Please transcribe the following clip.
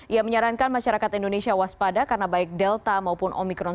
ia menyarankan masyarakat indonesia waspada karena baik delta maupun omikron